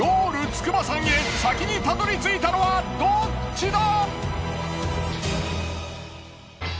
筑波山へ先に辿り着いたのはどっちだ！？